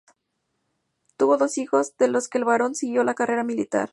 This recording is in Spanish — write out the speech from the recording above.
Tuvo dos hijos, de los que el varón siguió la carrera militar.